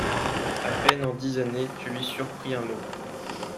À peine en dix années je lui surpris un mot.